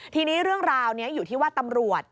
ทีนี้เรื่องราวนี้อยู่ที่ว่าตำรวจ